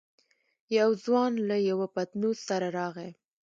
يو ځوان له يوه پتنوس سره راغی.